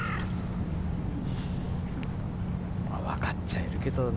分かっちゃいるけどね。